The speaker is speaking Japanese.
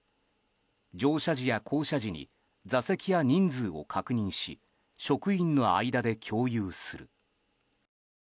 乗車時や降車時に座席や人数を確認し職員の間で共有する。